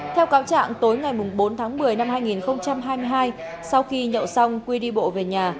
theo cáo trạng tối ngày bốn tháng một mươi năm hai nghìn hai mươi hai sau khi nhậu xong quy đi bộ về nhà